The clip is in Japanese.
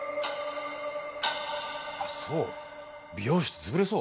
あっそう美容室潰れそう？